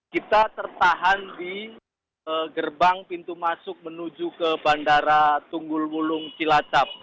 kita tertahan di gerbang pintu masuk menuju ke bandara tunggul wulung cilacap